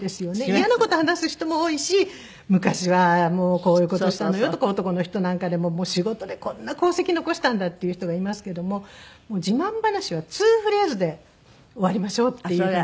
イヤな事話す人も多いし「昔はもうこういう事したのよ」とか男の人なんかでも「仕事でこんな功績残したんだ」って言う人がいますけども自慢話は２フレーズで終わりましょうっていうふうに。